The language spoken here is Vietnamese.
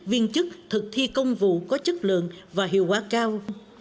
viên chức thực thi công vụ có chất lượng và hiệu quả cao